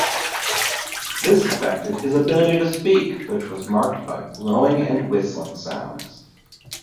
This affected his ability to speak, which was marked by blowing and whistling sounds.